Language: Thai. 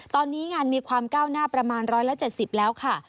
ตอนนี้งานมีความก้าวหน้าประมาณร้อยและเจ็ดสิบแล้วค่ะ